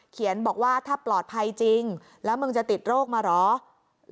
เขียนบอกว่าถ้าปลอดภัยจริงแล้วมึงจะติดโรคมาเหรอ